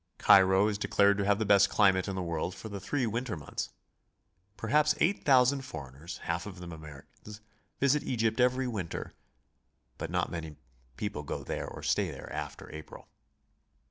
Cairo is declared to have the best climate in the world 'for the three winter months. Perhaps eight thousand foreigners, half of them Americans, WHY, WHO, AND WHEN TO GO. 17 visit Egypt every winter, but not many people go there or stay there after April.